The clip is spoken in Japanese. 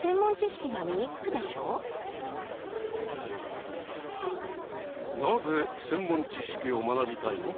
なぜ専門知識を学びたいの？